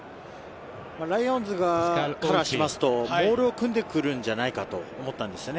ライオンズからしますと、モールを組んでくるんじゃないかと思ったんですね。